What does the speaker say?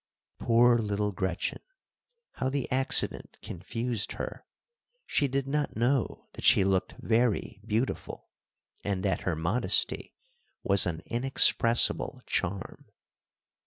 Poor little Gretchen! How the accident confused her. She did not know that she looked very beautiful, and that her modesty was an inexpressible charm.